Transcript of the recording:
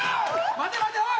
待て待ておい！